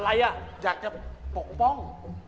อะไรอยากจะปกป้อง